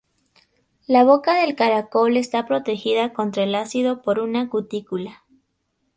La boca del caracol está protegida contra el ácido por una cutícula.